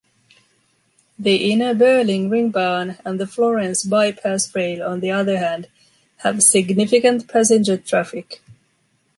The inner Berlin Ringbahn and the Florence bypass rail, on the other hand, have significant passenger traffic.